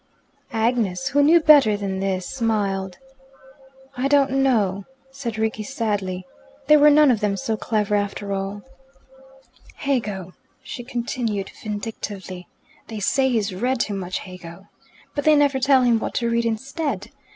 Agnes, who knew better than this, smiled. "I don't know," said Rickie sadly. They were none of them so clever, after all. "Hegel," she continued vindictively. "They say he's read too much Hegel. But they never tell him what to read instead.